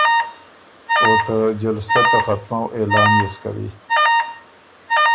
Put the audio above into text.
او ته جلسۀ ته ختمؤ اعلان يې سو کوی۔